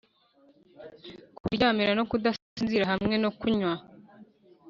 kuryamira no kudasinzira hamwe no kunywa